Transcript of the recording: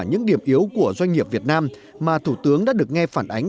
những điểm yếu của doanh nghiệp việt nam mà thủ tướng đã được nghe phản ánh